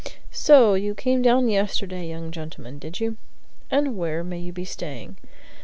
So you came down yesterday, young gentleman, did you? And where may you be staying?"